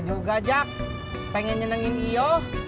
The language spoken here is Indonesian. tunggu jak pengen nyenengin iyo